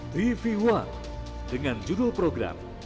tv one dengan judul program